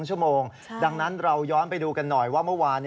ชั่วโมงดังนั้นเราย้อนไปดูกันหน่อยว่าเมื่อวาน